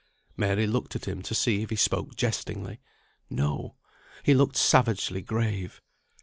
Mary looked at him to see if he spoke jestingly. No! he looked savagely grave.